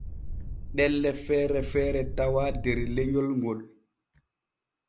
Ɗelle feere feere tawaa der lenyol ŋol.